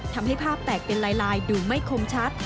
ทำให้ภาพแตกเป็นลายดูไม่คมชัด